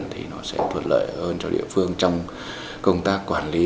thì nó sẽ thuận lợi hơn cho địa phương trong công tác quản lý